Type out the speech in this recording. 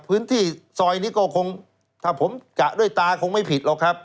พื้นที่ซอยนี้ก็คงถ้าผมกะด้วยตาคงไม่ผิดหรอกครับ